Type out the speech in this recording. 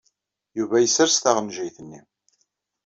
Yuba yessers taɣenjayt-nni.